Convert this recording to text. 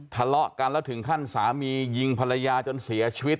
ทะเลาะกันแล้วถึงขั้นสามียิงภรรยาจนเสียชีวิต